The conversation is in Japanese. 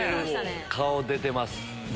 顔出てます。